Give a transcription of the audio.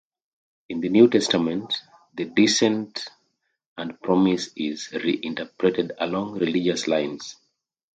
In the New Testament, the descent and promise is reinterpreted along religious lines.